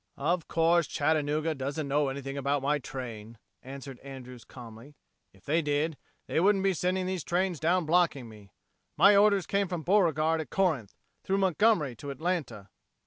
"Of course Chattanooga doesn't know anything about my train," answered Andrews calmly. "If they did, they wouldn't be sending these trains down blocking me. My orders came from Beauregard at Corinth, through Montgomery to Atlanta."